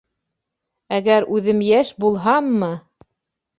Әгәр үҙем йәш булһаммы!